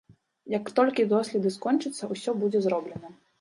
Як толькі доследы скончацца, усё будзе зроблена.